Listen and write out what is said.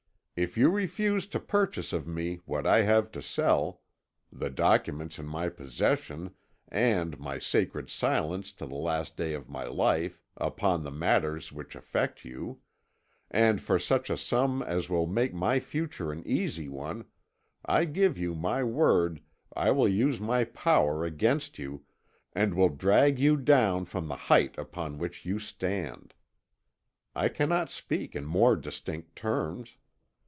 If you refuse to purchase of me what I have to sell the documents in my possession, and my sacred silence to the last day of my life upon the matters which affect you and for such a sum as will make my future an easy one, I give you my word I will use my power against you, and will drag you down from the height upon which you stand. I cannot speak in more distinct terms.